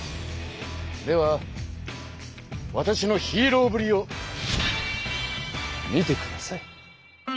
ではわたしのヒーローぶりを見てください。